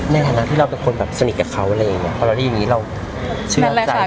แน่นอนที่เราเป็นคนแบบสนิทกับเขาอะไรอย่างงี้เพราะว่าอันนี้เราเชื่อใจได้แบบไหน